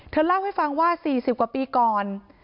เล่าให้ฟังว่า๔๐กว่าปีก่อน